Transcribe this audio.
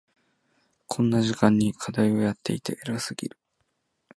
こんな時間に課題をやっていて偉すぎる。